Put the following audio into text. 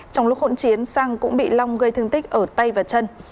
trong lúc hỗn chiến sang cũng bị long gây thương tích ở tay và chân